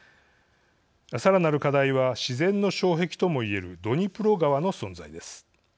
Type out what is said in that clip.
さらなる課題は自然の障壁とも言えるドニプロ川の存在です。